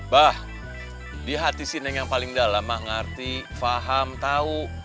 bah di hati si neng yang paling dalam mah ngerti faham tahu